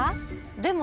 でも。